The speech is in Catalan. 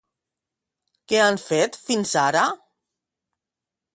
Què han fet fins ara?